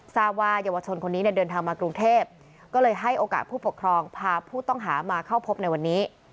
ทราบว่าเยาวชนคนนี้เนี่ยเดินทางมากรุงเทพก็เลยให้โอกาสผู้ปกครองพาผู้ต้องหามาเข้าพบในวันนี้